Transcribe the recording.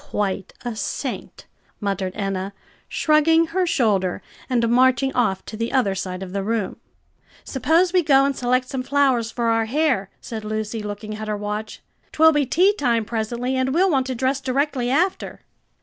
"Quite a saint!" muttered Enna, shrugging her shoulders and marching off to the other side of the room. "Suppose we go and select some flowers for our hair," said Lucy, looking at her watch. "'Twill be tea time presently, and we'll want to dress directly after."